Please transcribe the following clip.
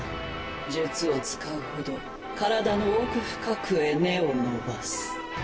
術を使うほど体の奥深くへ根を伸ばす。